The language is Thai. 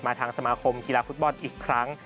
ทางสมาคมกีฬาฟุตบอลอีกครั้ง